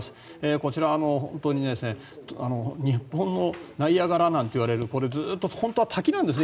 こちらは本当に日本のナイアガラなんていわれるこれ、ずっと本当は滝なんですね。